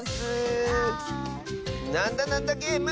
「なんだなんだゲーム」